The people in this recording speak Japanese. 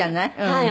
はい。